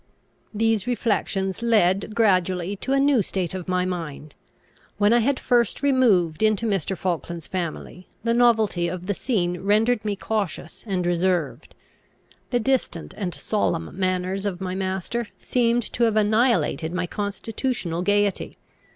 These reflections led gradually to a new state of my mind. When I had first removed into Mr. Falkland's family, the novelty of the scene rendered me cautious and reserved. The distant and solemn manners of my master seemed to have annihilated my constitutional gaiety.